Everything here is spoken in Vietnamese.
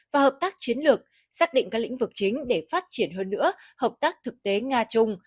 và hợp tác chiến lược xác định các lĩnh vực chính để phát triển hơn nữa hợp tác thực tế nga chung